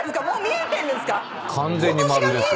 完全に丸ですよ。